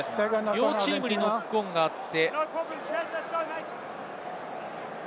両チームにノックオンがあって。